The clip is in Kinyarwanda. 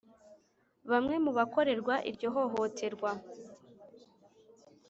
Bamwe mu bakorerwa iryo hohoterwa